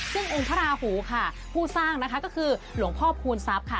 ซึ่งองค์ภราหูค่ะผู้สร้างก็คือหลวงพ่อพุทธศัพท์ค่ะ